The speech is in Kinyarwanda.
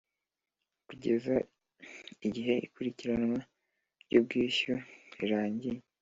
kugeza igihe ikurikiranwa ry ubwishyu rirangiye